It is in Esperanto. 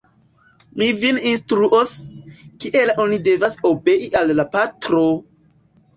Mi vin instruos, kiel oni devas obei al la patro!